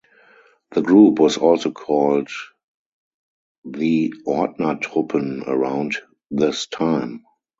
The group was also called the "Ordnertruppen" around this time.